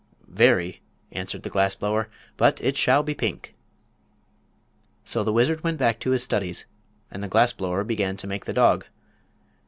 "Very," answered the glass blower; "but it shall be pink." So the wizard went back to his studies and the glass blower began to make the dog.